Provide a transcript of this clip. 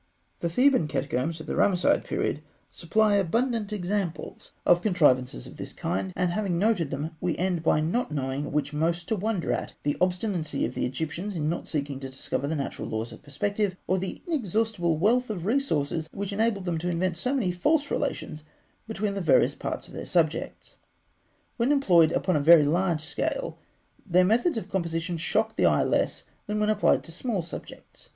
The Theban catacombs of the Ramesside period supply abundant examples of contrivances of this kind; and, having noted them, we end by not knowing which most to wonder at the obstinacy of the Egyptians in not seeking to discover the natural laws of perspective, or the inexhaustible wealth of resource which enabled them to invent so many false relations between the various parts of their subjects. [Illustration: Fig. 174. Pond and palm trees, from wall painting in tomb of Rekhmara, Eighteenth Dynasty.] When employed upon a very large scale, their methods of composition shock the eye less than when applied to small subjects.